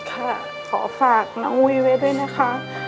ค่ะขอฝากน้องวีไว้ด้วยนะคะ